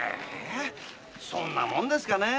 そんなもんですかねえ。